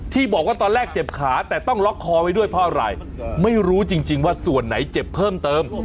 ที่บอกว่าตอนแรกเจ็บขาแต่ต้องล็อกคอไว้ด้วยเพราะอะไรไม่รู้จริงว่าส่วนไหนเจ็บเพิ่มเติม